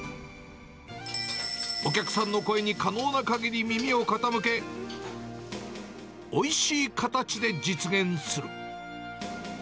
お客さんの声に可能なかぎり耳を傾け、おいしい形で実現する。